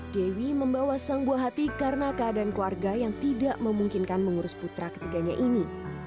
dewi membawa sang buah hati karena keadaan keluarga yang tidak memungkinkan mengurus putra ketiganya ini